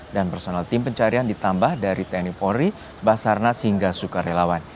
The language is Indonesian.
dan personal tim pencarian ditambah dari tni polri basarnas hingga sukarelawan